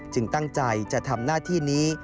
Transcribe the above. ตั้งใจจะทำหน้าที่นี้